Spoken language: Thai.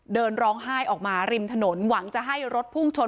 เดินร้องไห้ออกมาริมถนนหวังจะให้รถพุ่งชน